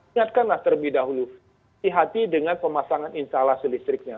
ingatkanlah terlebih dahulu hati hati dengan pemasangan instalasi listriknya